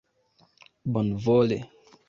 bonvole